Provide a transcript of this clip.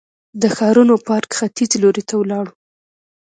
د ښارنو پارک ختیځ لوري ته ولاړو.